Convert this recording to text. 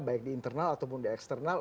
baik di internal ataupun di eksternal